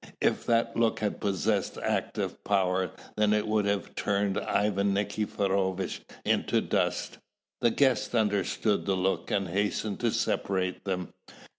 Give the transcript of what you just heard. If that look had possessed active power, then it would have turned Ivan Nikiforovitch into dust. The guests understood the look and hastened to separate them.